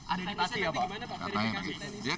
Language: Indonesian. ada di pati ya pak